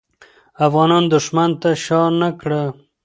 افغانان دښمن ته شا نه کړه.